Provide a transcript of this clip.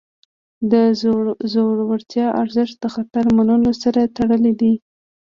د زړورتیا ارزښت د خطر منلو سره تړلی دی.